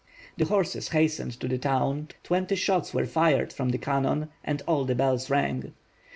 The horses hastened to the town, twenty shots were fired from th * cannon and all the bells rang.